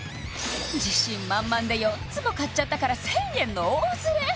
自信満々で４つも買っちゃったから１０００円の大ズレ